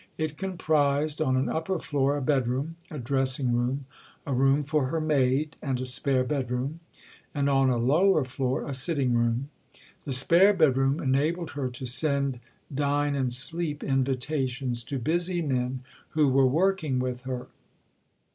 It comprised on an upper floor a bedroom, a dressing room, a room for her maid, and a spare bedroom, and on a lower floor a sitting room. The spare bedroom enabled her to send "dine and sleep" invitations to busy men who were working with her.